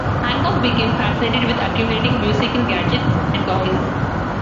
Hancock became fascinated with accumulating musical gadgets and toys.